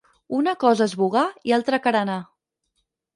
Una cosa és vogar i altra carenar.